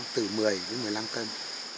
từ một mươi đến một mươi năm cân